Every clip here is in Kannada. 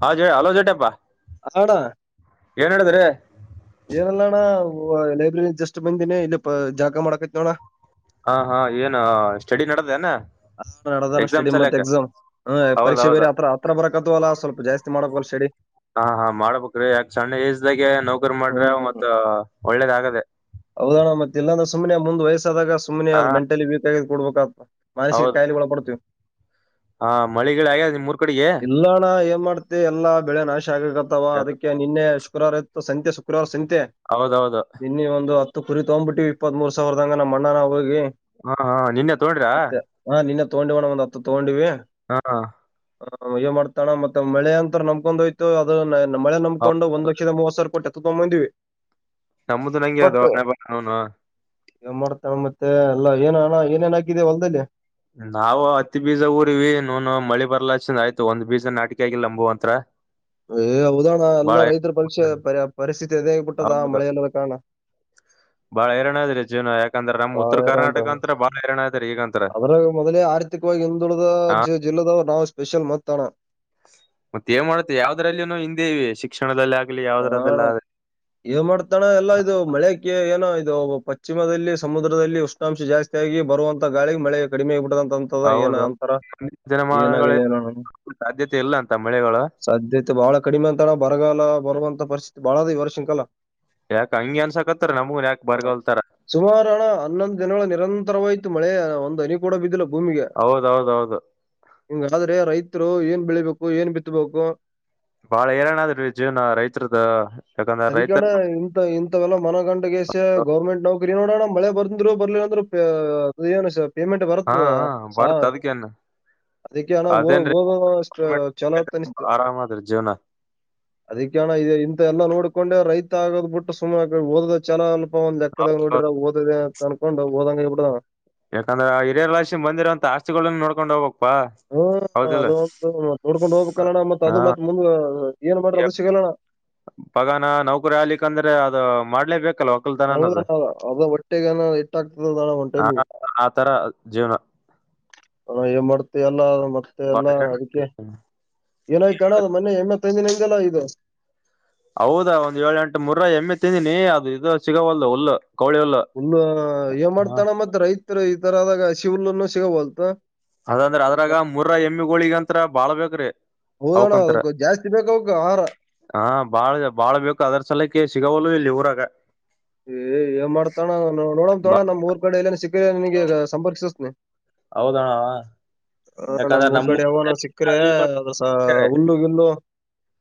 ಹಾ ಜೋ ಹಲೋ ಜಟ್ಟ ಪ್ಪ ಆಡ [inaudible] ಏನಲ್ಲಣ ಲೈಬ್ರರಿ ಜಸ್ಟ್ ಬಂದಿನಿ ಇಲ್ಲಿ ಜಳ್ಕ ಮಾಡಕೈತ್ ನೋಡ. ಹಾ ಹಾ ಏನ ಸ್ಟಡಿ ನಡದನಾ. ಹ ನಡದಾನ ಸ್ಟಡಿ ಮತ್ ಎಕ್ಸಾಮ್ ಹ್ ಹೌದ್ ಪರೀಕ್ಷೆ ಹೌದ್ ಬೇರೆತ್ರ ಹತ್ರ ಬರಕತ್ತವಲ್ಲ ಸ್ವಲ್ಪ. ಜಾಸ್ತಿ ಮಾಡಬೇಕಲ್ ಸಡಿ ಹಾ ಹಾ ಮಾಡ್ಬೇಕ್ರಿ ಯಾಕ ಸಣ್ಣ ಏಜ್ದಾಗೆ ನೌಕರಿ ಮಾಡ್ರೆ ಮತ್ ಒಳ್ಳೇದ ಆಗದೆ. ಹೌದಣ ಮತ್ತೆ ಇಲ್ಲಂದೆ ಸುಮ್ಮನೆ ಮುಂದ್ ವಯಸ್ಸಾದಾಗ ಸುಮ್ಮನೆ ಹಾ ಅದ ಮೆಂಟಲಿ ವೀಕ್ ಆಗಿ ಕೊಡ್ಬೇಕ ಆತ್ ಮಾನಸಿಕ ಹೌದ್ ಕಾಯಿಗಳಲ್ ಒಳಪಡ್ತಿವ್. ಹಾ ಮಳಿ ಗಳಿ ಅಗ್ಯಾದ ನಿಮ್ ಊರ್ ಇಲ್ಲಣ್ಣ ಏನ್ ಮಾಡ್ತಿ ಎಲ್ಲಾ ಬೆಳೆ ನಾಶ ಆಗಕತ್ತವ ಅದಕ್ಕೆ ನಿನ್ನೆ. ಶುಕ್ರವಾರ ಇತ್ತು ಸಂತೆ ಶುಕ್ರವಾರ ಸಂತೆ ಹೌದೌದು ನಿನ್ನ ಒಂದು ಹತ್ ಕುರಿತಗೊಂಡ್ಬಟ್ಟ ಇಪ್ಪತ್ ಮೂರ್ ಸಾವರದಂಗ ನಮ್ಮ ಅಣ್ಣಾರ ಹೋಗಿ. ಹಾ ಹಾ ನಿನ್ನೆ ತಗೊಂಡ್ರಾ. ತಗೊಂಡ್ವಿ ಅಣ್ಣ ಒಂದ್ ಹತ್ತು ತಗೊಂಡ್ವಿ. ಹಾ ಹ ವ್ ಮಾಡ್ತಾನ ಮತ್ತೆ ಮಳೆ ಅಂತ ನಂಬಕೊಂಡ್ಯ್ತು ಅದ ಮಳೆ ಹೌದ್ ನಮಕೊಂಡು ಒಂದ್ ಲಕ್ಷದ ಮೂವತ್ತು ಸಾವಿರ ಕೊಟ್ಟ ತಕೊಬಂದ್ವಿ ನಮ್ಮದು ನಂಗೆ [unintelligible] ಏನ್ ಮಾಡ್ತಳೆ ಮತ್ತೆ ಎಲ್ಲ ಏನ ಹಣ ಏನೇನ ಹಾಕಿದಿ ಹೊಲ್ದಲ್ಲಿ. ನಾವು ಹತ್ತಿ ಬೀಜ ಊರಿವಿ ನೂನು ಮಳಿ ಬರ್ಲಾ ಚಂದ ಆಯ್ತು ಒಂದ್ ಬೀಜ ನಾಟಕ ಆಗಿಲ್ಲ ನಂಬು ಅಂತ್ರ. ಏ ಉದಾಹಣ ಬಾಳ ಎಲ್ಲಾ ರೈತರ ಪರಿಕ್ಷೆ ಪ ಪರಿಸ್ಥಿತಿ ಎದೇ ಆಗಬಿಟ್ಟದಾ ಹೌದು ಮಳೆ ಎಲ್ಲದ ಕಾರಣ. ಬಾಳ ಹರಣದ್ರಿ ಜೀವನ ಯಾಕ್ ಬಾಳರ ಅದ್ರಿ ಈಗಂತ್ರ ಅದ್ರ ಮೊದಲೇ ಆರ್ಥಿಕವಾಗಿ ಹಿಂದುಳಿದ ಹಾ [unintelligible] ಇಲ್ಲದ್ ನಾವು ಸ್ಪೆಷಲ್ ಮತ್ತನ ಮತ್ತೇಏ ಮಾಡುತ್ತೆ ಯಾವದ್ರಲ್ಲಿನು ಹಿಂದೆ ಇವಿ ಶಿಕ್ಷಣದಲ್ಲಿ ಆಗ್ಲಿ ಯಾವದ್ರದಲ್ಲ ಇದು ಮಾಡ್ತಾನ ಎಲ್ಲ ಇದು ಮಳೆಕ್ಕೆ ಏನೋ ಇದು ಪಶ್ಚಿಮದಲ್ಲಿ ಸಮುದ್ರದಲ್ಲಿ ಉಷ್ಣಾಂಶ ಜಾಸ್ತಿ ಆಗಿ ಬರುವಂತ ಗಾಳಿ ಮಳೆ ಕಡಿಮೆ ಆಗ್ಬ ಬಿಡಂತಂತ ಏನ್ ಹೌದು ಅಂತರ ಮುಂದಿನ ಜನಮಾನಗಳ ಏನಾಗಿದೆ ಸಾಧ್ಯತೆ ಇಲ್ಲ ಅಂತ ಮಳೆಗಳು ಸದ್ಯತೆ ಬಹಳ ಕಡಿಮೆ ಅಂತಡ ಬರಗಲ್ಲ ಲ್ಲ ಬರುವಂತ ಪರಿಸ್ಥಿತಿ ಬಾಳದ ಈ ವರ್ಷಂಕಲ್ಲ ಯಾಕ ಹಂಗೆ ಅನ್ಸಕತ್ತಾರ ನಮಗನ್ ಯಾಕ ಹ ಬರ್ಗಲ್ತಾರ ಸುಮಾರು ಹಣ ಹನ್ನೊಂದು ದಿನಗಳು ನಿರಂತರವಾಯ್ತು ಮಳೆ ಒಂದ್ ಹನಿ ಕೂಡ ಬಿದ್ದಿಲ್ಲ ಭೂಮಿಗೆ ಹೌದೌದೌದು ಹಿಂಗಾದ್ರೆ ರೈತ ರು ಏನ್ ಬೆಳಿಬೇಕು ಏನ್ ಬಿತ್ತಬೇಕು ಬಾಳ ರನಾದ ಅದ ಕಡೆ ಇಂತ ಇಂತವೆಲ್ಲ ಮನಗಂಡಗಸ ಗೌರ್ಮೆಂಟ್ ಡಾಬ್ ನೋಡೋಣ ಮಳೆ ಬಂದ್ರು ಬರ್ಲಿಲ್ಲ ಅಂದ್ರೆ ಅ ಏನ್ ಪೇಮೆಂಟ್ ಹಾ ಬರುತ್ತದ ಹಾ ಸಾ ಬರ್ತ್ ಅದಕೇನ್ ಅದಕ್ಕೆಣ ಅದೇನ್ರಿ ಹೋಗುವ ಅಷ್ಟ ಚಲೋ ಅನಿಸ್ತ ಆರಾಮದ್ರಿ ಜೀವನ ಅದ ಕಣ ಇದೆ ಇಂತ ಎಲ್ಲ ನೋಡ್ಕೊಂಡೆ ರೈತ ಆಗೋದ್ ಬಿಟ್ಟು್ನೆ ಓದ ಚಲ ಒಂದ್ ಜಕ್ಕದಂಗ ಹೌದೌದು ನೋಡಿರ ಓದಿದೆ ಅನ್ಕೊಂಡು ಹಓದಂಗ ಇ ಬಿಡ ಯಾಕಂದ್ರೆ ಹಿರಿಯರ ರಾಿ ಬಂದಿರಂತ ಆಸ್ತಿಗಳಗಳನ್ನು ನೋಕೊಂಡು ಹೋಗ್ಬೇಕು ಹ್ಮ ಅದು ಒ ತೋಡ್ಕೊಂಡ್ ಹೋಗ್ಬೇಕ ಕಣ ಮತ್ ಹಾ ಅದು ಮತ್ತ್ ಮುಂದ ಏನ್ ಮಾಡ್ರಿ ಅದು ಸಿಗಲ್ಲಣ್ಣ ಪಗಾನ ನೌಕರಿ ಆಗ್ಲಿಿಕಂದ್ರೆ ಅದು ಮಾಡ್ಲೇಬೇಕ ಹೌದಣ ಅದ ಹೊಟ್ಟೆಗನ ಇಟ್ಟಗ್ತದದಣ್ಣ ಒಂಟ ಆ ಆತರ ಜೀವನ ಅ ಇ ಮಾಡತ ಎಲ್ಲ ಮತ್ತೆ ಎಲ್ಲ ಅದಕ್ಕೆ ಏನಾಯ್ತ ಅಣ್ಣ ಅ ಮೊೆ ಹೆಮ್ಮೆ ತಂದಿನ ಲ ಈಗ ಹೌದಾ ಒಂದ್ ಏಳ ಎಂಟು ಮೂರ ಎಮ್ಮೆ ತಿಂದಿನಿ ಅದು ಇದು ಸಿಗವಲ್ದುುಲ್ಲು ಹುಲ್ಲು ಏ ಮಾಡ್ತಾನ ಮತ್ ರೈತರು ಈ ತರದಾಗ ಹಸಿ ಹುಲ್ಲುನ್ನು ಸಿಗಬಲ್ತ್ ಅದಂದ್ರ ಅದ್ರಾಗ ಮುರ್ರ ಎಮ್ಮಿ ಗೋಳಿಗಂತ್ರ ಬಾಳ್ ಬ್ರಿ ಹೌದಣ್ಣ ಅವಕಂತರ ಅದಕ್ಕ ಜಾಸ್ತಿ ಬೇಕು ಅವಕ್ಕ ಆಹಾರ ಹಾ ಬಾಳ್ ಬಾಳ್ ಬೇಕು ಅದರ ಸಲಕ್ಕೆ ಸಿಗವಲ್ಲ ಇಲ್ಲಿ ಊರಾಗ ಏ ಏನ್ ಮಾಡ್ತಣ್ಣ ನೋಡ ತೋಳ ನಮ್ ಊರ್ ಕಡೆ ಎಲ್ಲನ್ ಸಿಕ್ಕ ನನ್ಗೆಗ ಸಂಪರ್ಕಿಸಸ್ನನೆ ಹೌದಣ ಹ ನಮ್ ಯಾಕಂದ್ರೆ ನಮ್ಮ ಊರ್ಗಡೆ ಯಾವ ನ ಸಿಕ್ಕ್ರೆ ಅಸ ಹುಲ್ಲುಗಿಲ್ಲು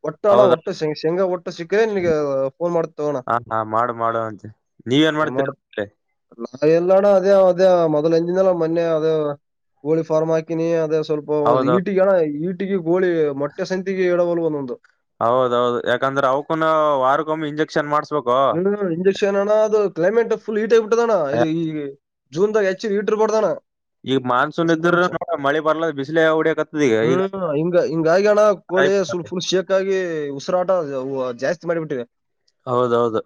ಒಟ್ಟು ಅಣ್ಣ ಹೌದಾ ಒಟ್ಟುಂಗ ಶೇಂಗಾ ಒಟ್ಟು ಸಿಕ್ಕ್ರೆ ನಿನ್ಗೆ ಫೋನ್ ಮಾಡ ತಗೋಣ ನೀವ ಏನ್ ಮಾಡ್ತೀರೇಲೆ ಎಲ್ಲಡ ಅದೇ ಅದೇ ಮೊದ್ಲ ಎಂಜಿನಲ್ಲ ಮೊನ್ನೆ ಅದೇ ಹೋಳಿ ಫಾರ್ಮ್ ಹಾಕಿನಿ ಅದೇ ಸ್ವಲ್ಪ ಹೌದೌದು ಈಟಿಗೆ ಅಣ ಈಟಿಗೆ ಕೋಳಿ ಮೊಟ್ಟೆ ಸಂತಿಗೆ ಎಡವಲು ಒಂದೊಂದು ಹೌದೌದು ಯಾಕಂದ್ರೆ ಅವ್ಕೂನು ವಾರ್ಗೊಮ್ಮಿ ಇಂಜೆಕ್ಷನ್ ಮಾಡ್ ಹ್ಮ ಇಂಜೆಕ್ಷನ್ ಅಣ್ಣ ಅದು ಕ್ಲೈಮೇಟ್ ಫುಲ್ ಈೀಟ್ ಆಗಬಿಟ್ಟದಣ್ಣ ಇದು ಈಗ ಜೂನ್ ತ ಹೆಚ್ಚು ವ ಇಟ್ರಬೋತದಾನ ಈಗ ಮಾನ್ಸೂನ್ ಇದ್ರ ಉಷ್ಣಂಶ ನೋಡ ಮಳಿ ಬರ್ಲ ಬಿಸಿಲೆ ಹೊಡಿಯಕತ್ತದ ಈಗ ಈಗ ಹ್ಮ್ ಹಿಂಗ ಹಿಂಗಗ ಅಣ ಹಳಿುಲ್ ಫುಲ್ ಶೇಕಾಗಿ ಉಸರಾಟ ಜಾಸ್ತಿ ಮಾಡಿಬಿಟ್ಟಿದೆ ಹೌದೌದು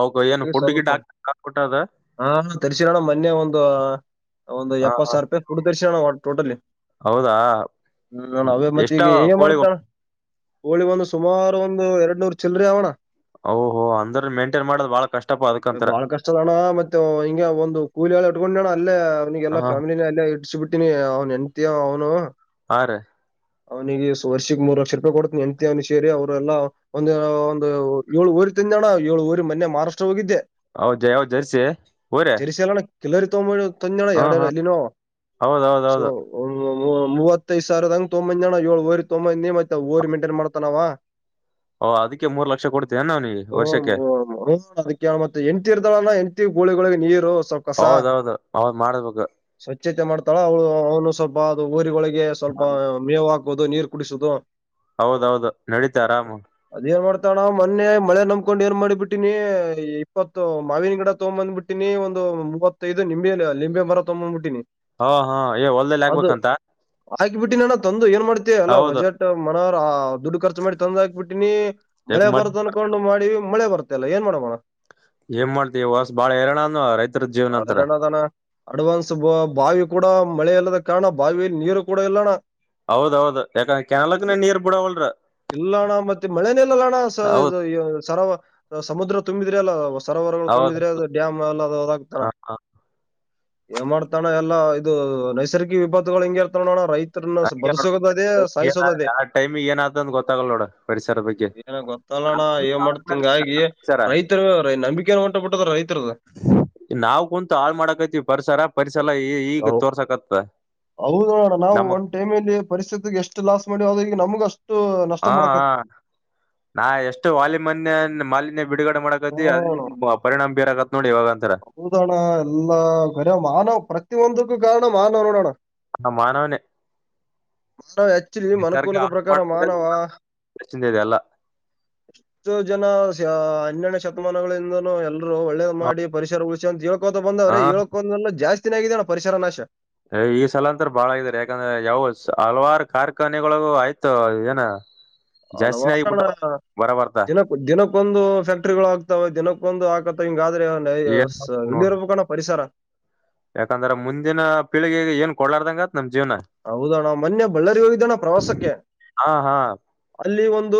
ಅವಕ ಏನು ಹಾಗಾಗಿ ಫುಡ್ ಗಿಡ್ ಸ್ವಲ್ಪ ಹಾಕ್ಬಿಟ್ಟ ಅದ ಹಾ ತರ್ಸಿರೋಣ ಮೊನ್ನೆ ಒಂದು ಒಂದು ಹ ಎಪ್ಪತ್ ಹ ಸಾವಿರ ರೂಪಾಯಿ ಕುಡತರ್ಸಿ ಟೋಟಲಿ ಹೌದಾ ಹ್ಮ ನ ಅವೇ ಎಷ್ಟಾವ ಮತ್ತಿಗೆ ಏ ಕೋಳಿ ಮಾಡ್ತಾಳ ಕೋಳಿ ಒಂದು ಸುಮಾರು ಒಂದು ಎರಡ್ ನೂರ್ ಚಿಲ್ರಿ ಅವಣ ಓಹೋ ಅಂದ್ರ ಮೇಂಟೈನ್ ಮಾಡೋದ್ ಬಾಳ ಕಷ್ಟಪ ಅದಕಂತರ ಬಹಳ ಕಷ್ಟ ಅಣ ಮತ್ತೆ ಹಿಂ ಒಂದು ಕೂಲಿಲ್ಲ ಇಕೊಂಡ್ ನ ಅೇ ಅವನಿಗೆ ಎಲ್ಲ ಹ ಫ್ಯಾಮಲಿನ ಅಲ್ಲೇ ಇಟ್ಸ ಬಿಟ್ಟಿನಿ ಅವ್ನು ಎಂತ ಅವ್ನು ಆ ಅವನಿಗೆ ವರ್ಷಕ್ ಮೂರು ಲಕ್ಷ ರೂಪಾಯಿ ಕೊಡ್ತನಿ ಎಂತ ಅವನು ಸೇರಿ ಅವರೆಲ್ಲಾ ಒಂದು ಒಂದು ಏಳುವರ್ ಜ ಏಳು ರು ಮನೆ ಮಹಾರಾಷ್ಟ್ರ ಹೋಗಿದ್ದೆ ಹೌದಯ ಜರ್ಸಿ ಹರ ಕೆಲವರಿ ತೊಗಂಬ ತಂದೋಣ ಎರಡಾರ ಅಲ್ಲಿನೋ ಸೊ ಹೌದೌದೌದು ಮೂವತ್ತೈದ ಸಾವಿರದ ಹಂಗ ತಂಬಂದ್ ಜನ ಏಳ್ು ಊರಿ ತೊಂಬ್ನ ನೀ ಮತ್ತ ಓರಿ ಮೈಂಟೈನ್ ಮಾಡ್ತಾನಾವ ಓ ಅದಕ್ಕೆ ಮೂರು ಲಕ್ಷ ಕೊಡ್ತ ಹಓ [unintelligible] ಹ ಹ್ ಅದ [unintelligible] ಮತ್ತೆ ಹೆಂಡ್ತಿ ಇರ್ತಾಳಣ ಹೆಂಡ್ತಿ ಗೋಳಿಗಳೊಳಿಗೆ ನೀರು ಸ್ಲ್ [unintelligible] ಕಸ ಹೌದೌದು ಹೌದ್ ಮಾಡ್ಬೇಕು ಸ್ವಚ್ಛತೆ ಮಾಡ್ತಾಳ ಅವಳ ಅವನು ಸ್ವಲ್ಪ ಸ್ವಲ್ಪ ಅದು ಓರಿಗಳಿಗೆ ಹಾ, ಸ್ವಲ್ಪ ಮೇವು ಹಾಕುದು ನೀರ್ ಕುಡಿಸುದು. ಹೌದೌದು ನಡೀತಾ ಆರಾಮು ತ [unintelligible] ಮೊನ್ನೆ ಮಳೆ ನಂಬಕೊಂಡ್ ಏರ್ ಮಾಡಿಬ ಬಿಟ್ಟಿನಿ ಇಪ್ಪತ್ತು ಮಾವಿನ ಗಿಡ ತಗ್ಂಬಂದ್ಬಿಟ್ಟೀನಿ ಒಂದು ಮೂವತ್ತೈದು ನಿಂಬೆ ಲಿಂಬೆ ಮರ ತೊಂಬೊಂಬಿಟ್ಟಿನಿ ಹಾ ಹಾ ಏ ಹೊಲ್ದಲ್ಲಿ ಅದು ಆಗ್ಬೇಕಂತ ಆಕ್ ಬಿಟ್ಟಿ ನಾನ ತಂದು ಏನ್ ಮಾಡ್ತೇಯ ಅಲ್ಲ ಹೌದು ಬಜೆಟ್ ಆ ಅ ದುಡ್ಡು ಖರ್ಚು ಮಾಡಿ ತಂದ್ ಹಾಕ್ಬಿಟ್ಟಿನಿ ಯಾಕ ಮಳೆ ಮತ್ ಬರ್ದ ಅನ್ಕೊಂಡು ಮಾಡ ಮಳೆ ಬರ್ತಲ್ಲ ಏನ್ ಮಾಡೋಣ ಏನ್ ಮಾಡ್ತಿ ಹೊಸ್ ಬಾಳ ಹೇರಳನು ರೈತರ ಜೀವನ ಅಂತಾರ ಅನದಾನ [unintelligible] ಅಡ್ವಾನ್ಸ್ ಬ ಬಾವಿ ಕೂಡ ಮಳೆ ಇಲ್ಲದ ಕಾರಣ ಬಾವಿಯಲ್ಲಿ ನೀರು ಕೂಡ ಇಲ್ಲಣ ಹೌದೌದು ಯಾಕ ಕೆನಾಲಕ್ ನ ನೀರ್ ಬಿಡವಲ್ರ ಇಲ್ಲಣ್ಣ ಮತ್ತೆ ಮಳೆನೇಲ್ಲಲ್ಲ ಅಣ್ಣ ಸ ಹೌದ್ ಸರವ ಸಮುದ್ರ ತುಂಬಿದ್ರಿ ಅಲ್ಲ. ಸರೋವರಗಳು ಹೌದ್ ತುಂಬಿದ್ರೆ ಅ ಡ್ಯಾಮ್ ಎಲ್ಲ ಅ ಹದಾಗ್ತಾನ ಹಾ ಹಾ ಏನ್ ಮಾಡ್ತಣ ಎಲ್ಲಾ ಇದು ನೈಸರ್ಗಿಕ ವಿಭತ್ತುಗಳು ಹಿಂಗಗೆ ಇರ್ತಾವೋಣ ರೈತ ಹಂಗೆ ನೋಡ್. ಬದುಸದುದೇ ಏನ ಸಾಯಿಸೋದದೇ ಆ ಟೈಮಿಗೆ ಏನಾತಂದ್ ಗೊತ್ತಾಗಲ್ಲ ನೋಡ ಪರಿಸರ ಬಗ್ಗೆ ಏನ ಗೊತ್ತ ಅಣ್ಣ ಏನ್ ಮಾಡ್ತಿಂಗ ಹಾಗ ಸರ ರೈತರು ನಂಬಿಕೆನ ಹೊಂಟ ಬಿಟ್ಟದ್ರ ರೈತರದದು ನಾವವು ಕುಂತು ಹಾಳ್ ಮಾಡಕೈತಿವಿ ಪರಿಸರ ಪರಿಸರ ಈಗ ಹೌ- ತೋರ್ಸಕತ್ತ. ಹೌದು ನೋಡಣ ನಾವು ಒಂದ್ಟೈಮಲ್ಲಿ ಪರಿಸ್ಥಿತಿಗೆ ಎಷ್ಟ ಲಾಸ್ ಮಾಡಿ ಹದ ಈ ನಮ್ಗ ಅಷ್ಟ ಹಾ ನಾ ಎಷ್ಟು ವಾಲಿ ಮನ್ಯ ಮಾಲಿನ್ಯ ಬಿಡುಗಡೆ ಮಾಡಕತಿ ಅ ಮಾಡಕತ್ತ ಪರಿಣಾಮ ಬೀರಕತ್ ನೋಡಿ ಇವಾಗಂತ ಹೌದಣ ಎಲ್ಲ ಗರ್ ಮಾನವ್ ಪ್ರತಿಯೊಂದಕ್ಕೂ ಕಾರಣ ಮಾನವ್ ನೋಡೋಣ ಹಾ ಮಾನವನೇ ಮಾನವ ಹೆಚ್ಚಲಿ ನಿಸರ್ಗ ಅನುಕೂಲದ ಹಾಳ್ ಪ್ರಕಾರ ಮಾಡ್ಬಿಡೋದು ಮಾನವ ಇದೆ ಎಲ್ಲ ಎಷ್ಟೋ ಜನ ಹನ್ನೆರಡು ಶತಮಾನಗಳಿಂದ ಎಲ್ಲರು ಒಳ್ಳೇದು ಮಾಡಿ ಪರಿಸರ ಉಳಿಸಿ ಅಂತ ಹೇಳ್ ಹಾ ಬಂದ್ರೆ ಹೇಳಕೊಂದಲ್ಲ ಜಾಸ್ತಿನಾಗಗ್ಯಣ್ಣ ಪರಿಸರ ನಾಶ ಈ ಸಲ ಅಂತ ಬಾಳಗಾರೆ ಯಾಕಂದ್ರೆ ಯಾವ ಹಲ್ವಾರು ಕಾರ್ಖಾನೆಗಳಗೂ ಆಯ್ತು ಏನ ಜಾಸ್ತಿನೇ ಹಲವಾರಣ ಆಗಿಬಿಟ್ಟಾವ ಬರ ಬರ್ತಾ ದಿನ ದಿನಕ್ಕೊಂದು ಫ್ಯಾಕ್ಟ್ರಿಗಳು ಆಗ್ತಾವ ದಿನಕ್ಕೊಂದು ಆ ಹಿಂಗಾದ್ರೆ ಏನ್ ಮಾಡ್ಬೇಕ್ ನೋಡ್ ಇಲ್ಲಿ ಇರ್ಬೇಕಣ ಪರಿಸರ ಯಾಕಂದ್ರ ಮುಂದಿನ ಪೀಳಿಗೆಗೆ ಏನ್ ಕೊಡ್ಲಾರ್ದಂಗ ಹೌದಣ ಮೊನ್ನೆ ಬಳ್ಳಾರಿ ಹೋಗಿದ್ದಣ ಪ್ರವಾಸಕ್ಕೆ ಹಾ ಹಾ ಅಲ್ಲಿ ಒಂದು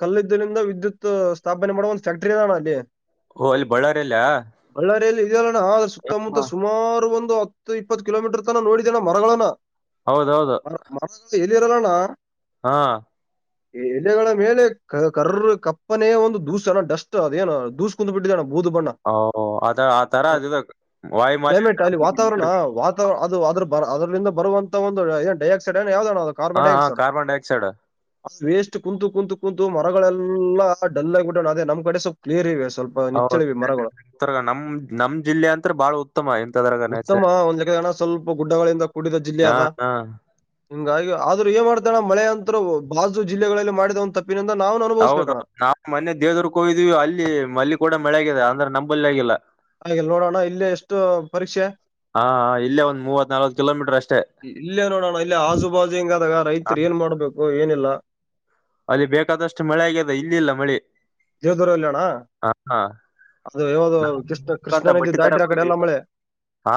ಕಲ್ಲಿದಲಿಂದ ವಿದ್ಯುತ್ ಸ್ಥಾಪನೆ ಮಾಡೋವ ಒಂದು ಫ್ಯಾಕ್ಟರಿ ಅದಣ ಅಲ್ಲಿ ಓ ಅಲ್ಲಿ ಬಳ್ಳಾರಿಯಲ್ಲ ಬಳ್ಳಾರಿಯಲ್ಲಿ ಇದೆಯಲ್ಲಣ ಆದ್ರ ಸುತ್ತಮುತ್ತ ಹಾ. ಸುಮಾರು ಒಂದು ಒಂದು ಹತ್ತು ಇಪ್ಪತ್ತು ಕಿಲೋಮೀಟರ್ ತನ ನೋಡಿದೇನನೆ ಮರಗಳನ ಹೌದೌದು ಇರಲ್ಲಣ ಹಾ ಎಲೆಗಳ ಮೇಲೆ ಕರ್ರ ಕಪ್ಪನೇಯ ಒಂದು ದೂಸ್ ಅಣ್ಣ ಡಸ್ಟ್ ಅದೇನು ದೂಸ್ ಕುಂತ್ ಬಿಟ್ಟಿದೆಣ್ಣ ಅ ಆ ಅದ ತರ ಅದ್ಬೇಕ್ ಕ್ಲೈಮೇಟ್ ಅಲ್ಲಿ ವಾತಾವರಣ ವಾತ ಅದು ಅದ್ರ ಬರ್ ಅದ್ರಿಂದ ಬರುವಂತ ಒಂದು ಏನ್ ಡೈ ಆಕ್ಸೈಡ್ ಯಾವದ ಅಣ ಅದು ಹಾ ಕಾರ್ಬನ್ ಹಾ ಡೈಆಕ್ಸೈಡ್ ಕಾರ್ಬನ್ ಡೈಆಕ್ಸೈಡ್ ಅ ವೇಸ್ಟ್ ಕುಂತು ಕುಂತ್ ಕುಂತು ಮರಗಳೆಲ್ಲ ಡಲ್ ಆಗ್ಬಿಟ್ಟಾವಣ ಅದೆ ನಮ್ಕಡೆ ಸ್ವಲ್ಪ್ ಕ್ಲಿಯರ್ ಇವೆ ಅಷ್ ಹೌದ ಅಂತ್ರ್ ನಮ್ ನಮ್ ಜಿಲ್ಲೆ ಅಂತರ್ ಉತ್ತಮ ಒಂದುಕ ಹಣ ಸ್ವಲ್ಪ ಗುಡ್ಡಗಳಿಂದ ಕೂಡಿದ ಹಾ ಜಿಲ್ಲೆಯಾದ ಹಾ ಹಿಂಗಾಗಿ ಆದ್ರು ಏನ್ ಮಾಡ್ತೀಯ ಅಣ ಮಳೆ ಅಂತೃ ಬಾಜು ಜಿಲ್ಲೆಗಳಲ್ಲಿ ಮಾಡಿದ ಒಂತ ತಪ್ ಹೌದೌದು ನಾವು ಮೊನ್ನೆ ದೇವ್ದುರ್ಗ್ ಕ್ಕೋಗಿದ್ವಿ ಅಲ್ಲಿ ಅಲ್ಲಿ ಕೂಡ ಮಳೆ ಆಗಿದೆ ಅಂದ್ರೆ ನಮ್ಮಲ್ಲಾಗಿಲ್ಲ ಹಾಗಿಲ್ ನೋಡೋಣ ಇಲ್ಲೇ ಎಷ್ಟು ಪರೀಕ್ಷೆ ಹಾ ಇಲ್ಲೇ ಒಂದ್ ಮೂವತ್ ನಲ್ವತ್ ಕಿಲೋಮೀಟ್ರ್ ಅಷ್ ಇಲ್ಲೇ ನೋಡೋಣ ಇಲ್ಲೆ ಆಜುಬಾಜು ಹಿಂಗಾದಗ ಹ, ರೈತ್ರ್ ಏನ್ ಮಾಡ್ಬೇಕು ಏನಿಲ್ಲ ಅಲ್ಲಿ ಬೇಕಾದಷ್ಟು ಮಳೆ ಆಗ್ಯಾದ ಇಲ್ ಇಲ್ಲ ಮಳಿ ದೇವ್ ದೂರಲ್ಯಣ ಹಾ ಹಾ ಅದು ಯಾವದು ನಾವ್ ಕೃಷ್ಣ ಕೃಷ್ಣ ಅಂತ ನದಿ ಬಟ್ಟಿ ದಾಡ್ರಿ ತರಕ್ ಆಕಡೆ ಹೋಗಿದ್ವಿ ಎಲ್ಲ ಮಳೆ ಹಾ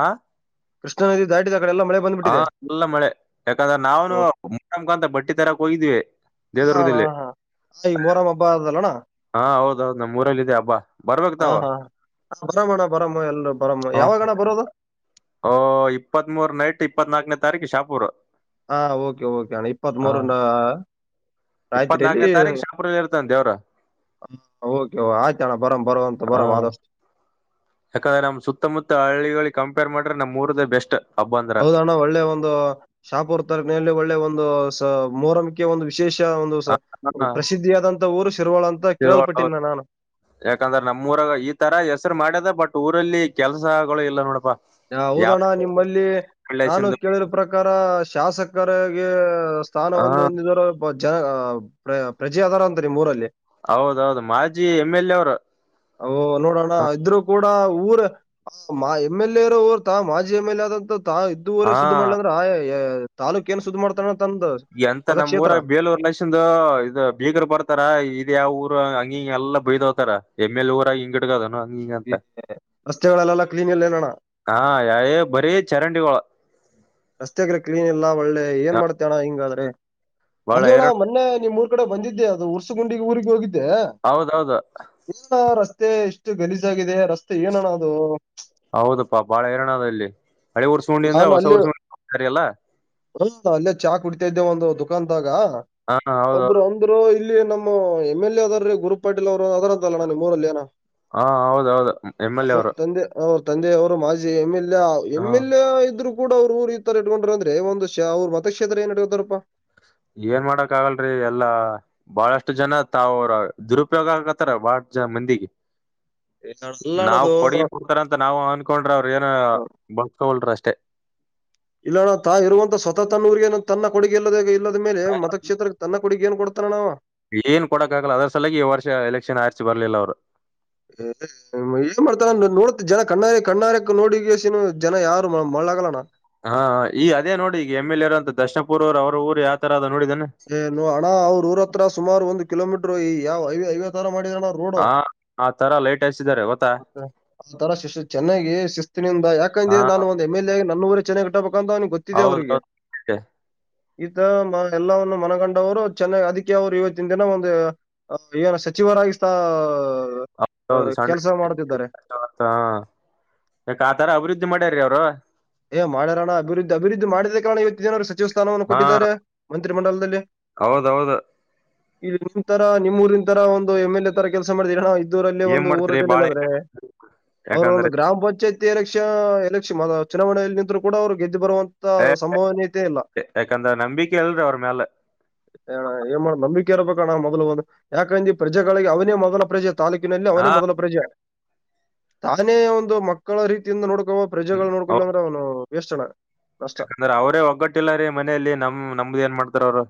ಕೃಷ್ಣಾ ನದಿ ದಾಟಿದ ಕಡೆ ಎಲ್ಲ ಮಳೆ ಹಾ ಬಂದ್ಬಿಟ್ಟಿದೆ. ಎಲ್ಲ ಮಳೆ ಯಾಕಂದ್ರೆ ಓ ನಾವ್ನು ಮ--ಮ--ಕ್ ಅಂತ ಬಟ್ಟಿ ತರಕ್ ಹೋಗಿದ್ವೇ ಇಲ್ಲ ಅಣ ಹ ಹಾ ಈ ಮೊರಂ ಹಬ್ಬ ಅದಲ್ಲಣ ಹಾ ಹೌದೌದು ನಮ್ಮ್ ಊರಲ್ಲಿದೆ ಹಬ್ಬ ಬರ್ಬೇಕ್ ತಾವು ಸ--ಮಣ್ಣ ಬರಮ್ ಎಲ್ರೂ ಬರಮ್ಮು ಯಾವಾಗಣ ಬರದು ಓ ಇಪ್ಪತ್ಮೂರ್ ನೈಟ್ ಇಪ್ಪತ್ನಾಕ್ನೆ ತಾರೀಕು ಶಾಪೂರ್ ಹಾ ಓಕೆ ಓಕೆ ಅಣ ಇಪ್ಪತ್ ಹ ಮೂರು ನಾ ಇಪ್ಪತ್ನಾಲ್ಕನೇ ತಾರೀಕ್ ಶಾಪೂರಾ--ಇರ್ತನ್ ದೇವ್ರು ಹ ಓಕೆ ಆಯ್ತಣ್ಣ ಬರಮ್ ಬರೋವಂತ್ ಹ ಬರಾಮ್ ಆದಷ್ಟ್ ಯಾಕಂದ್ರೆ ನಮ್ ಸುತ್ತಮುತ್ತ ಹಳ್ಳಿಗಳಿಗ್ ಕಂಪೇರ್ ಮಾಡ್ರೆ ನಮ್ಮುರ್ದೆ ಬೆಸ್ಟ್ ಹಬ್ಬ ಅಂದ್ರ ಹೌದಣ್ಣ ಒಳ್ಳೆ ಒಂದು ಶಾಪೂರ್ ತರ್ಕನೇಲ್ಲಿ ಒಳ್ಳೆ ಒಂದು ಸ ಮೋರಮ್ಕೆ ಒಂದು ವಿಶ್ ವಿಶೇಷ ಒಂದು ಸ ಹ, ಪ್ರಸಿದ್ಧಿಯಾದಂತ ಊರು ಶಿರ್ವಳ ಅಂತ ತಿರುವಳ ಕೇಳಲ್ಪಟ್ಟಿನಣ ನಾನು ಯಾಕಂದ್ರ ನಮ್ ಊರಾಗ ಈ ತರ ಹೆಸ್ರ್ ಮಾಡ್ಯದ ಬಟ್ ಊರಲ್ಲಿ ಕೆಲ್ಸಗಳು ಇಲ್ಲ ನೋಡಪಾ ಯಾವ ಹೌದಣ ನಿಮ್ಮಲ್ಲಿ ನಾನು ರಿಲೇಷನ್ ಕೇಳಿರ ಪ್ರಕಾರ ಶಾಸಕರ--ಗೆ ಸ್ಥಾನ ಹಾ ಒಂದು ಒಂದಿದರ ಜ ಪ್ರ ಪ್ರಜೆ ಅದಾರ ಅಂತ ನಿಮ್ಮೂರಲ್ಲಿ ಹೌದೌದು ಮಾಜಿ ಎಮ್ ಎಲ್ ಎ ಅವರು ಅ ನೋಡಣ ಇದ್ರು ಕೂಡ್ ಡ ಊರ ಮಾ ಎಂ ಎಲ್ ಎ ಇರೋ ಊರ್ತ ಮಾಜಿ ಎಂ ಎಲ್ ಎ ಆದಂತ ಇದು ವರೇ ಹಾ ಸುದ್ ಮಾಡ್ಲಿ ಅಂದ್ರ ಆ ಏ ತಾಲ್ಲೂಕ್ ಏನು ಸುದ್ ಮಾಡ್ತಾನಣ ಎಂತ ನಮ್ಮ್ ಊರಾಗ್ ಬೇಲೂರ್ ನಶಿಂದು ಇದು ಬೀಗ್ರ್ ಬರ್ತಾರ ಇದ್ಯಾವೂರ ಅಯ್ ಹಿಂಗ್ ಎಲ್ಲ ಬೈದೋತರ ಎಮ್ ಎಲ್ ಊರಾಗ್ ಹಿಂಗಿಟ್ಕಾದೇನ ಗೀಗಂತ ಈ ರಸ್ತೆಗಳೆಲ್ಲ ಕ್ಲೀನ್ ಇಲ್ಲ ಏನಣ್ಣ ಹಾ ಯ ಬರೀ ಚರಂಡಿಗಳು ರಸ್ತೆಗ್ರೆ ಕ್ಲೀನ್ ಇಲ್ಲ ಒಳ್ಳೆ ಏನ್ ಮಾಡ್ತಿಯಣ ಹಿಂಗಾದ್ರೆ ಬಾಳ ಅದು ಅಣ್ಣ ಹೈರಾಣ ಮೊನ್ನೆ ನಿಮ್ಮೂರ್ ಕಡೆ ಬಂದಿದ್ದೆ ಅದು ಉರ್ಸುಗುಂಡಿಗೆ ಊರಿಗ್ ಹೋಗಿದ್ದೆ ಹೌದೌದು ಇಸ್ತಾ ರಸ್ ತೆ ಎಷ್ಟು ಗಲೀಜಾಗಿದೆ ರಸ್ತೆ ಏನಣ ಅದು ಹೌದಪ್ಪಾ ಬಾಳ ಹೈರಣದ ಇಲ್ಲಿ ಹಳೆ ಊರ್ಸ್ಕೊಂಡಿಂದ ನಾನು ಹೊಸ ಅಲ್ಲಿ ಊರ್ಸ್ಕೊಂಡಿ ಎಲ್ಲ ಹ ಅಲ್ಲೇ ಚಾ ಕುಡಿತಾ ಇದ್ದೆ ಒಂದು ದುಖಾನ್ದಾಗ ಹಾ ಹೌದೌದು ಒಬ್ರು ಅಂದ್ರು ಇಲ್ಲಿ ನಮ್ಮ ಎಂ ಎಲ್ ಎ ಅದಾರ್ರೀ ಗುರು ಪಾಟೀಲ್ ಅವರು ಅದರಂತ್ ಅಲ್ಲಣ್ಣ ನಿಮ್ಮೂರಲ್ಲಿ ಏನೋ ಹಾ ಹೌದೌದು ಎಮ್ ಎಲ್ ಎ ಅವ್ರು ತಂದೆಯವ್ರು ಮಾಜಿ ಎಂ ಎಲ್ ಆ ಎಮ್ ಎಲ್ ಎ ಇದ್ರು ಕೂಡ ಅವ್ರುರ್ ಈ ತರ ಇಟ್ಕೊಂಡ್ರು ಅಂದ್ರೆ ಒಂದು ಷ್ ಅರ್ವ್ ಮತಕ್ಷೇತ್ರ ಏನಿಟ್ಕತಾರಪ್ಪ [inaudible] ಏನ್ ಮಾಡಕ್ ಆಗಲ್ರಿ ಎಲ್ಲಾ ಬಹಳಷ್ಟು ಜನ ತಾವ್ ರ ದುರುಪ್ಯೋಗ ಆಗಾಕತ್ತಾರ ಬಾಳಷ್ಟ್ ಜ ಮಂದಿಗೆ ನಾವ್ ಕೊಡುಗೆ ಅಲ್ಲಣದು ಕೊಡ್ತಾರ ಅಂತ ನಾವು ಅನ್ಕೊಂಡ್ರ ಅವ್ರೇನೋ ಬಳಸ್ಕವಲ್ರು ಅಷ್ಟೇ ಇಲ್ಲಣ್ಣ ತಾ ಇರುವಂತ ಸ್ವತಃ ತನ್ನ ಊರಿಗೆ ತನ್ನ ಕೊಡುಗೆ ಇಲ್ಲದ ಇಲ್ಲದ ಮೇಲೆ ಮತಕ್ಷ್ಷೇತ್ರಕ್ಕೆ ತನ್ನ ಕೊುಗ ನ್ ಕೊಡ್ತಾರ ನಾವು ಏನ್ ಕೊಡಕ್ ಆಗಲ್ಲ ಅದ್ರ ಸಲಾಗಿ ಈ ವರ್ಷ ಎಲೆಕ್ಷನ್ ಆರ್ಚಿ ಬರ್ಲಿಲ್ಲ ಅವ್ರು ಏನ್ ಮಾಡ್ತಾರ ನೋಡ ಜನ ಕಣ್ಣ ಕಣ್ಣಾರಕ್ ನೋಡಸ ಜನ ಯಾರು ಎಳ್ಳಾಗಗಳೋಣ ಹಾ ಈ ಅದೇ ನೋಡಿ ಈಗ ಎಮ ಎಲ್ ಎ ಇರೋ ಅಂತ ದರ್ನಪುರ್ ಅವ್ ಅವ್ರ ಊರ ಯಾವ ತರದ ಏನುೋ ಅಣ್ಣ ಅವ್ರ ೂರ ಹತ್ರ ಸುಮಾರ ಒಂದು ಕಿಲೋಮೀಟ್ರ ಯಾವಐ ಐವ್ಯ ತರ ಮಾಡ ಹಾ ಹ ತರಲ್ಲ ಮತ್ತೆ ಆ ತರ ಶು ಚೆನ್ನಾಗಿ ಶಿಸ್ತಿನಿಂದ ಹಾ ಯಾಕಂದೆ ನಾನು ಒಂದ ಎಮ್ ಎಲ್ ಎ ನಲ್ಲ ಊರಿ ಚೆನ್ನಾಗ ಇಟ್ಟಬೇಕಂತ ಅವನಿಗೆ ಗೊತ್ತಿದೆ ಹೌದು ಅವಿಗೆ ಹೌದು. ಈತರ ಎಲ್ಲವನ್ನು ಮನಗಂಡವರು ಚೆನ್ನೈ ಅದಕ್ಕೆ ಅವರು ಇವತ್ತಿನ ದಿನ ಒಂದು ಇವನ ಸಚಿವರಾಗಿತಾ [inaudible] ಹೌದೌದು ಸಣ್ಣ ಹ ಆ ತಾರ ಅಭಿವೃದ್ಧಿ ಮಾಡ ಅವರು ಏ ಮಾಡಾರೋಣ ಅಭಿವೃದ್ಧಿ ಅಭಿವೃದ್ಧಿ ಮಾಡಿದ ಕಾರಣ ಇವತ್ತನರು ಸಚಿವ ಸ್ಥಾನವನ್ನು ಕೊಟ್ಟಿದ್ದಾರೆ ಮಂತ್ರಿಮಂಡಲದಲ್ಲಿ ಹೌದ ದೌದು ಇಲ್ಲಿ ನಿನ್ ತರಾ ನಿಮ್ಮ ಊರಿನ ತರ ಒಂದು ಎಂ ಎಲ್ ಎ ತರ ಕೆಲಸ ಮಾಡಿದೀರಿ ಊರಲ್ಲಿ ಏನ್ ಒಂದು ಮಾಡ್ತ್ರಿ ಬಾಳ ಊರಟಲಿಲ್ಲ ಅಂದ್ರೆ ಅವರು ಒಂದು ಯಾಕಂದ್ರೆ ಗ್ರಾಮ ಪಂಚಾಯತಿ ಎಕ್ಷನ್ ಎಲೆಕ್ಷನ್ ಚುನಾವಣೆಯಲ್ಲಿ ನಿಂತ ಕೂಡ ಅವರು ಗೆದ್ದು ಬರುವಂತ ಏ, ಸಂಭವನೀಯತೆ ಇಲ್ಲ ಯಾಕಂದ್ರ ನಂಬಿಕೆ ಇಲ್ರಿ ಅವ್ರ ಮ್ಯಾಲ [unintelligible] ನಂಬ ೇರ್ಬೇಕಣ ಮೊದಲುಬೋದು ಯಾಕಂದ್ರ ಈ ಪ್ರಜೆಗಳಿಗೆ ಅವನೇ ಮೊದಲ ಪ್ರಜೆ ತಾಲೂಕಿನಲ್ಲಿ ಅವನೇ ಹಾ ಮೊದಲ ಪ್ರಜೆ ತಾನೇ ಒಂದು ಮಕ್ಕಳ ರೀತಿಯಿಂದ ನೋಡ್ಕೊುವ ಪ್ರಜೆಗಳ ನೋಡ್ಕೊಲ್ಲ ಅಂದ್ರೆ ಅವ್ನು ವೇಷ್ಟಣ ಅಂದ್ರ ಅವ್ರೇ ಒಗ್ಗಟ್ಟಿಲ್ಲ ರೀ ಮನೇಲಿ ನಮ್ ನಮ್ದ ಏನ್ ಮಾಡ್ತಾರ ಅವರು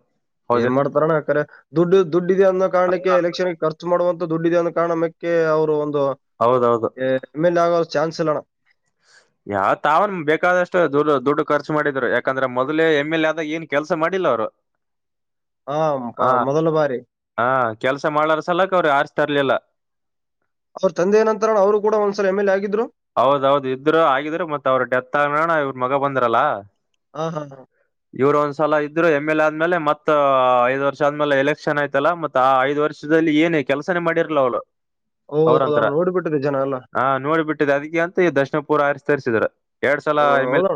ಏನ್ ಮಾಡ್ತಾರಾನ ಯಕ್ರ ದುಡ್ಡು ದುಡ್ಡ ಇದೆ ಅನ್ನೋ ಕಾರಣಕ್ಕೆ ಎಲೆಕ್ಷನ್ ಖರ್ಚು ಮಾಡುವಂತ ದುಡ್ಡು ಡ ಒ ಕಾರಣಕ್ಕೆ ಅವ್ರು ಒಂದು ಹೌದೌದು ಎಮ್ ಎಲ್ ಎ ಆಗೋ ಚಾನ್ಸ್ ಇಲ್ಲಣ ಹ [inaudible] ಯಾವ ತಾವನ್ ಬೇಕಾದಷ್ಟು ದುಡ್ಡು ದುಡ್ಡು ಖರ್ಚು ಮಾಡಿದ್ರು ಯಾಕಂದ್ರೆ ಮೊದ್ೇ ಎಮ್ ಎಲ್ ಎ ಆದಾಗ ಏನ್ ಕೆಲಸ ಮಾಡಿಲ್ಲ ಅವ್ರು ಹಾ [inaudible] ಹ ಪ- ಮೊದಲ ಬಾರಿ ಹ ಕೆಲ್ಸ ಮಾಡಾರ ಸಲಕ ಅವ್್ರರು ಆರ್ತರ್ಲಿಲ್ಲ ಅವ್ರ ತಂದೆಯ ನಂತರನ ಅವರು ಕೂಡ ಒಂದ್ಸಲ ಎಂ ಎಲ್ ಆಗ್ರು ಹೌದೌದು ಇದರು ಆಗಿದ್ರ ಮತ್ತತ್ ಅವ್ರ ಡೆತ್ ಆಗನಣ ಇವ್ರ ಮಗ ಬಂದ್ರಲ್ಲ ಹಾ ಹಾ ಹಾ ಸಲ ಇದ್ರರು ಎಮ್ ಎಲ್ ಎ ಆದ್ಮೇಲೆ ಮತ್ತ ಐ್ ವರ್ಷ ಆದ್ಮೇಲೆ ಎಲೆಕ್ಷನ್ ಆಯ್ತಲ್ಲ ಮತ್ತ ಆ ಐದು ವರ್ಷದಲ್ಲಿ ಏನ್ ಕೆಲಸನ ಮಾಡಿರಲ ಅವಳು ಹೌದ್ ಅವ್ರಂಂತರ ಹೌದಣ್ಣ ನೋಡ್ಬಿಟ್ಟಿದೆ ಜನ ಎಲ್ಲ ಹ ನೋಡ್ಬಿಟ್ಟ ಇ ಅದಕ್ಕೆ ಅಂತ ದರ್ಶನಪುರ ಆ ತರಿಸಿದ್ರ ಎರಡ್ ಸಲ ಇಮೇಲೆ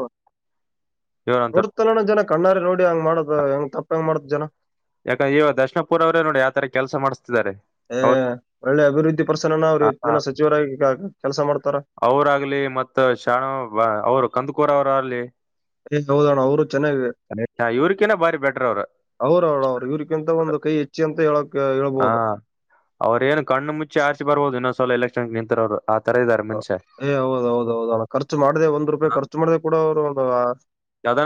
ನೋಡತಲ್ಲ ನ ಜನ ಕಣ್ಣಾರೆ ನೋಡಿ ಹಂಗ ಮಾಡುದು ಹೆಂಗ್ ತಪ್ಪ ಹೆಂಗ ಮಾಡುದು ಜನ ಯಾಕಂದ್ರೆ ಈವ ದರ್ಶನಪುರ ಅವ್ರೇ ನೋಡಿ ಯ ತರ ಕೆಲಸ ಮಾಡಸದಿದ್ದಾರೆ ಹ ಒಳ್ಳೆ ಅಭಿವೃದ್ಧಿ ಪರ್ಸನನ ಅವ್ರು ಇವತ್ತಿನ ಸಚಿವರಾಗಿಗ ಕೆಲಸ ಮಾಡ್ತಾರ ಅವರಾಗಗ್ಲಿ ಮತ್ತ ಶಾಣ ಅವರು ಕಂದಕೂರ ಅವರಾಗಲಿ ಏ ಹೌದಣ ಅವರು ಚೆನ್ನಾಗ [unintelligible] ಇವ್ರಕಿನ ಬಾರಿ ಬೆಟರ್ ಅವ್ರ ಅವರ ಅವಣ ಅವ್ರು ಇವ್ರ ತ ಒಂದು ಕೈ ಹೆಚ್ಚಿ ಅಂತ ಹೇಳ ಹಾ ಅವ್ರ್ ಏನು ಕಣ್ಣು ಮುಚ್ಚಿ ಆರ್ಚಿ ಬರ್ಬೋದು ಇನ್ನೊಂದ್ವಲ ಎಲೆಕ್ಷನ್ ನಿಂತರ ಅವ್ರು ಆ ತರ ಇದಾರೆ ಮನುಷ್ಯ ಏ ಹೌದೌದ ಹೌದಣ ಖರ್ಚು ಮಾಡ್ದ ಒಂದ್ ರೂಪಾಯಿ ಖರ್ಚು ಮಾಡ್ದ ಕೂಡ ಅವ್ರು ಒಂದು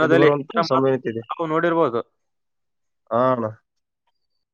ಎಗೆದ್ದು ಎಷ್ಟ್ ಬರುವಂತಹ ತರ ಸಂಮ್ಮನತೆ ಇದೆ ಮಾತಾಡ್ತಾರೋ ತಾವು ನೋಡಿರ್ಬೋದು ಹಣ